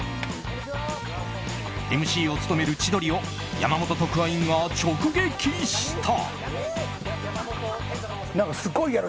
ＭＣを務める千鳥を山本特派員が直撃した。